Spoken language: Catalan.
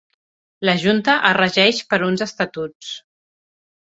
La Junta es regeix per uns estatuts.